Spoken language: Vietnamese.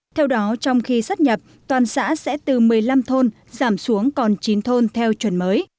theo đó trong khi sắp nhập toàn xã sẽ từ một mươi năm thôn giảm xuống còn chín thôn theo chuẩn mới